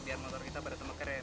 biar motor kita pada temen keren